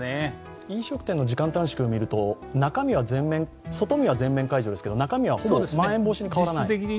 飲食店の時間短縮を見ると、外見は全面解除ですが中身はほぼまん延防止と変わらない。